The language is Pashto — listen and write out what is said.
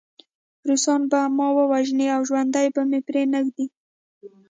روسان به ما وژني او ژوندی به مې پرېنږدي